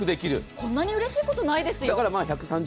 こんなにうれしいことはないですよ。